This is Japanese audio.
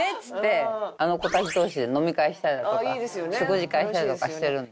あの子たち同士で飲み会したりだとか食事会したりとかしてるんで。